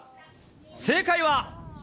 正解は。